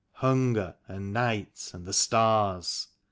. hunger and night and the stars.